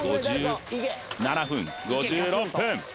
５７分５６分